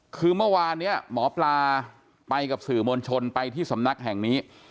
คือเมื่อวานนี้หมอปลาไปกับสื่อมวลชนไปที่สำนักแห่งนี้